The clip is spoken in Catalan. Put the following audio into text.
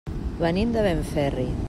Venim de Benferri.